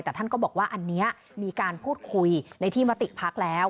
แต่ท่านก็บอกว่าอันนี้มีการพูดคุยในที่มติพักแล้ว